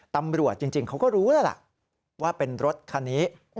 ตำรวจจริงเขาก็รู้แล้วล่ะว่าเป็นรถคันนี้